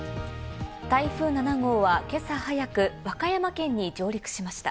台風７号は今朝早く、和歌山県に上陸しました。